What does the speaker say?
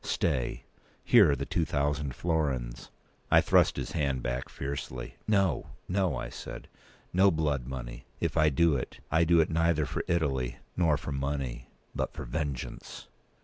Stay, here are the two thousand florins." I thrust his hand back fiercely. "No—no," I said. "No blood money. If I do it, I do it neither for Italy nor for money; but for vengeance."